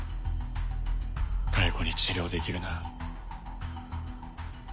妙子に治療できるなら。